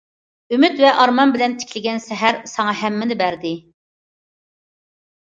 ئۈمىد ۋە ئارمان بىلەن تىكىلگەن سەھەر ساڭا ھەممىنى بەردى.